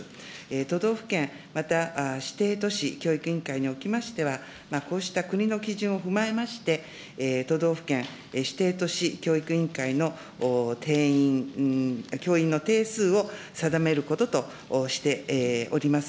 都道府県、また指定都市教育委員会におきましては、こうした国の基準を踏まえまして、都道府県、指定都市教育委員会の教員の定数を定めることとしております。